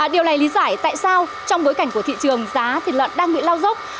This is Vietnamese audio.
điều này lý giải tại sao trong bối cảnh của thị trường giá thịt lợn đang bị lao dốc